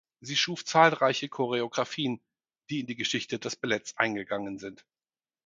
Sie schuf zahlreiche Choreografien, die in die Geschichte des Balletts eingegangen sind.